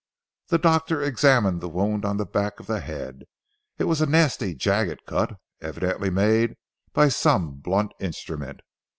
The doctor examined the wound on the back of the head. It was a nasty jagged cut, evidently made by some blunt instrument.